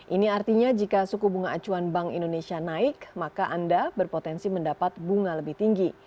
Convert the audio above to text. ini artinya jika suku bunga acuan bank indonesia naik maka anda berpotensi mendapat bunga lebih tinggi